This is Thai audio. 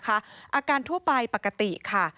อาการทั่วไปปกติค่ะ